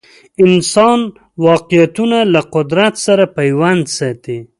انسان واقعیتونه له قدرت سره پیوند ساتي